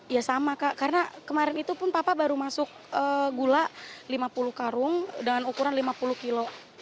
ya sama kak karena kemarin itu pun papa baru masuk gula lima puluh karung dengan ukuran lima puluh kilo